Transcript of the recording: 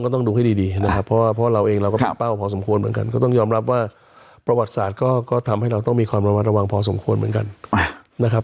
ต้องดูให้ดีนะครับเพราะว่าเราเองเราก็เป็นเป้าพอสมควรเหมือนกันก็ต้องยอมรับว่าประวัติศาสตร์ก็ทำให้เราต้องมีความระมัดระวังพอสมควรเหมือนกันนะครับ